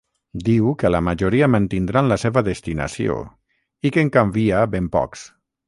Diu que la majoria mantindran la seva destinació, i que en canvia ben pocs.